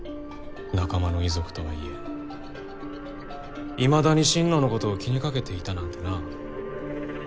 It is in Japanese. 仲間の遺族とはいえ未だに心野のことを気にかけていたなんてな。